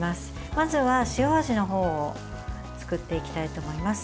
まずは塩味の方を作っていきたいと思います。